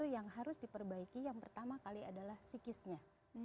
yang harus diperbaiki yang pertama kali adalah psikisnya